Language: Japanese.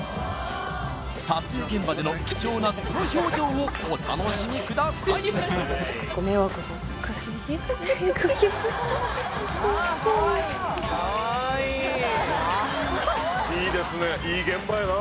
撮影現場での貴重な素の表情をお楽しみくださいご迷惑をいいですね